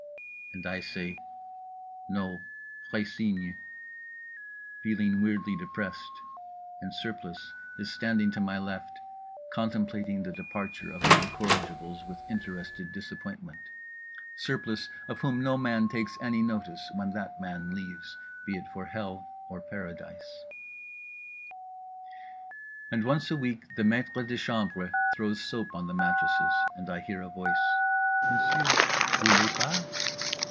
_" and I say, No, Précigne, feeling weirdly depressed, and Surplice is standing to my left, contemplating the departure of the incorrigibles with interested disappointment—Surplice of whom no man takes any notice when that man leaves, be it for Hell or Paradise…. And once a week the maître de chambre throws soap on the mattresses, and I hear a voice "_monsieur, voulez pas?